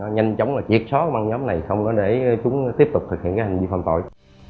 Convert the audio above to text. nhanh chóng là triệt sóng băng nhóm này không để chúng tiếp tục thực hiện hành vi phạm tội